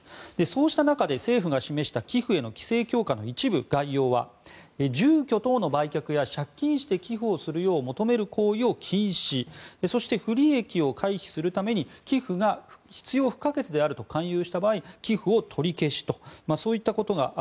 そうした中で政府が示した寄付への規制強化の概要は住居等の売却や借金して寄付を求める行為を禁止そして不利益を回避するために寄付が必要不可欠であると勧誘した場合寄付を取り消しと。